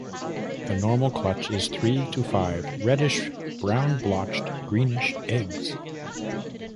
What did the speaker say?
The normal clutch is three to five reddish brown-blotched greenish eggs.